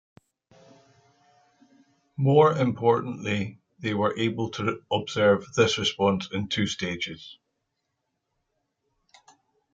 More importantly, they were able to observe this response in two stages.